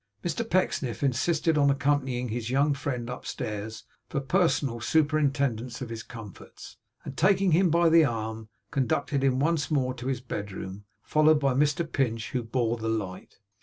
Mr Pecksniff insisted on accompanying his young friend upstairs for personal superintendence of his comforts; and taking him by the arm, conducted him once more to his bedroom, followed by Mr Pinch, who bore the light.